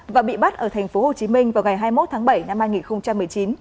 và bị bắt ở tp hồ chí minh vào ngày hai mươi một tháng bảy năm hai nghìn một mươi chín